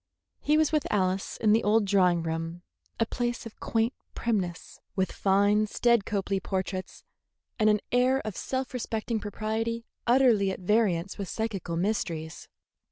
He was with Alice in the old drawing room, a place of quaint primness, with fine, staid Copley portraits, and an air of self respecting propriety utterly at variance with psychical mysteries.